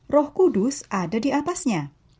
roh kudus ada di atasnya